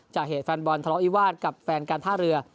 จากเหตุแฟนบอลทะเลาะวิวาสกับแฟนการท่าเรือ